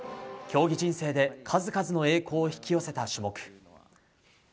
競技人生で数々の栄光を引き寄せた種目。